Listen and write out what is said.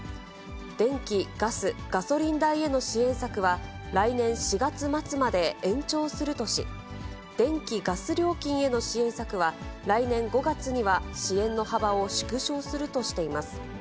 電気・ガス、ガソリン代への支援策は、来年４月末まで延長するとし、電気・ガス料金への支援策は、来年５月には支援の幅を縮小するとしています。